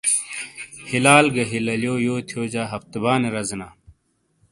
ہیلال گہ ہیلیالیو یو تھیوجہ ہفت بانے رزینا۔